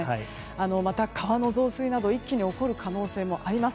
また、川の増水などが一気に起こる可能性もあります。